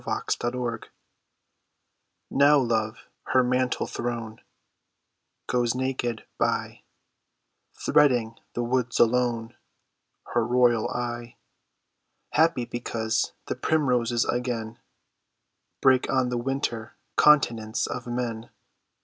VENUS IN ARDEN Now love, her mantle thrown, Goes naked by, Threading the woods alone, Her royal eye Happy because the primroses again Break on the winter continence of men.